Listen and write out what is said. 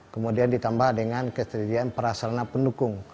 kemudian ditambah dengan kesehatan perasalan pendukung